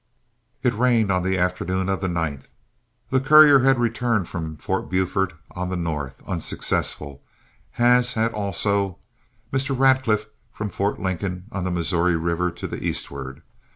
It rained on the afternoon of the 9th. The courier had returned from Fort Buford on the north, unsuccessful, as had also Mr. Radcliff from Fort Lincoln on the Missouri River to the eastward.